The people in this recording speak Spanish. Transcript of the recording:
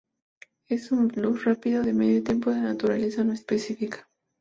Es un blues rápido de medio tiempo de naturaleza no específica.